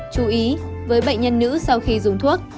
chú ý với bệnh nhân nữ sau khi dùng thuốc